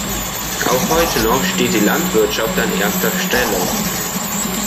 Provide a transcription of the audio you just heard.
Auch heute noch steht die Landwirtschaft an erster Stelle.